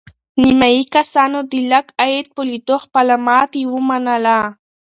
نیمایي کسانو د لږ عاید په لیدو خپله ماتې ومنله.